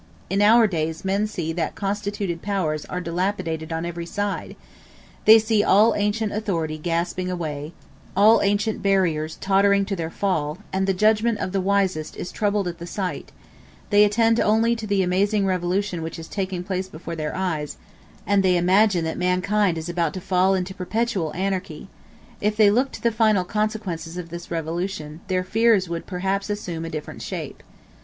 In our days men see that constituted powers are dilapidated on every side they see all ancient authority gasping away, all ancient barriers tottering to their fall, and the judgment of the wisest is troubled at the sight: they attend only to the amazing revolution which is taking place before their eyes, and they imagine that mankind is about to fall into perpetual anarchy: if they looked to the final consequences of this revolution, their fears would perhaps assume a different shape.